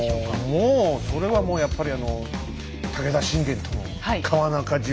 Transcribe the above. もうそれはもうやっぱりあの武田信玄とのねえ！